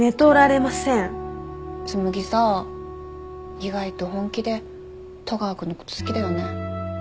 紬さ意外と本気で戸川君のこと好きだよね。